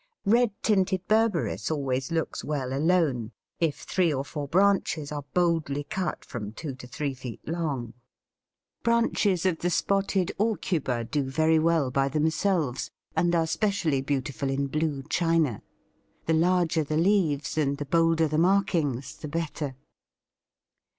Red tinted Berberis always looks well alone, if three or four branches are boldly cut from two to three feet long. Branches of the spotted Aucuba do very well by themselves, and are specially beautiful in blue china; the larger the leaves and the bolder the markings, the better.